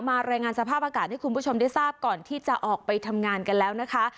รายงานสภาพอากาศให้คุณผู้ชมได้ทราบก่อนที่จะออกไปทำงานกันแล้วนะคะ